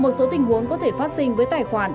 một số tình huống có thể phát sinh với tài khoản